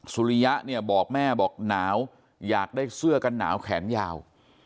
สุริยะเนี่ยบอกแม่บอกหนาวอยากได้เสื้อกันหนาวแขนยาว